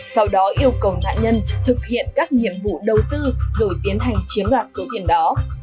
sau đó yêu cầu nạn nhân thực hiện các nhiệm vụ đầu tư rồi tiến hành chiếm đoạt số tiền đó